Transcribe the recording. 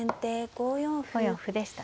５四歩でしたね。